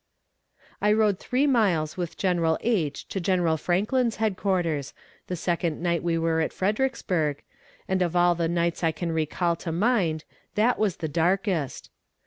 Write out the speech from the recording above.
I rode three miles with General H. to General Franklin's headquarters, the second night we were at Fredericksburg, and of all the nights that I can recall to mind that was the darkest.